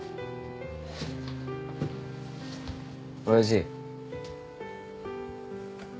親父。